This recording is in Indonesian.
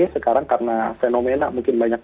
sekarang karena fenomena mungkin banyak